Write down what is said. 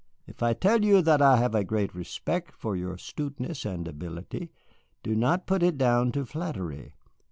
If I tell you that I have a great respect for your astuteness and ability, do not put it down to flattery.